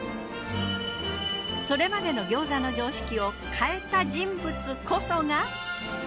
それまでの餃子の常識を変えた人物こそが。